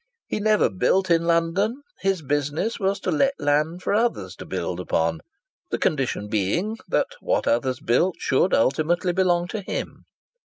He never built in London; his business was to let land for others to build upon, the condition being that what others built should ultimately belong to him.